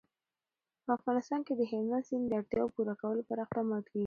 په افغانستان کې د هلمند سیند د اړتیاوو پوره کولو لپاره اقدامات کېږي.